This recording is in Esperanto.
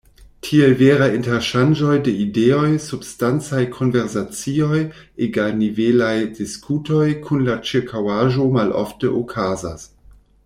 Tiel veraj interŝanĝoj de ideoj, substancaj konversacioj, egalnivelaj diskutoj kun la ĉirkaŭaĵo malofte okazas.